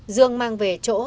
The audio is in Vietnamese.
dương mang về chỗ